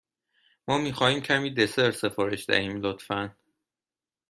ما می خواهیم کمی دسر سفارش دهیم، لطفا.